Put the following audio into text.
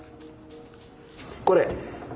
これ！